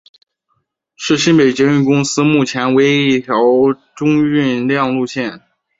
是新北捷运公司目前唯一一条中运量路线。